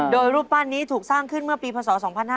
โดยรูปปั้นนี้ถูกสร้างขึ้นเมื่อปีพศ๒๕๕๙